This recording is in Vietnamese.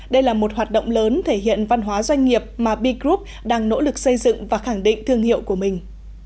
đây là một hoạt động lớn thể hiện văn hóa doanh nghiệp mà b group đang nỗ lực xây dựng và khẳng định thương hiệu của mình